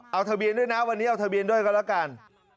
เอาทะเบียนด้วยนะวันนี้เอาทะเบียนด้วยกันแล้วกัน